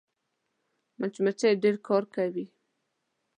مچمچۍ ډېر کار کوي